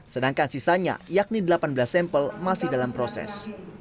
sedangkan sisanya yakni delapan belas sampel masih dalam proses